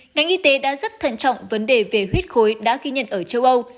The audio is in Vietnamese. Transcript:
ngành y tế đã rất thận trọng vấn đề về huyết khối đã ghi nhận ở châu âu